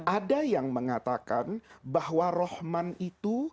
ada yang mengatakan bahwa rahman itu